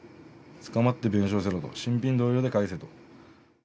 捕まって弁償しろと、新品同様で返せと。